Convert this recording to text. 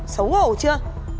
xấu ngầu chưa